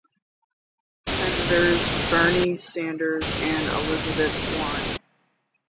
Senators Bernie Sanders and Elizabeth Warren.